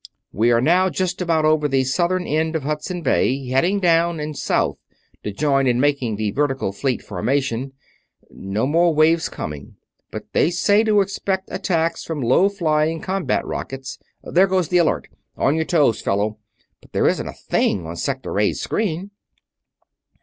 We are now just about over the southern end of Hudson Bay, heading down and south to join in making a vertical Fleet Formation ... no more waves coming, but they say to expect attacks from low flying combat rockets there goes the alert! On your toes, fellows but there isn't a thing on Sector A's screen...."